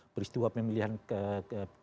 peristiwa pemilihan ke